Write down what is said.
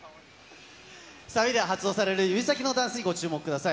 サビで発動される指先のダンスにご注目ください。